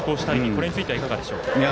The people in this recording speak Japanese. これについてはいかがでしょう。